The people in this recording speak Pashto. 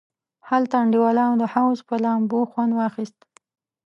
هلته انډیوالانو د حوض پر لامبو خوند واخیست.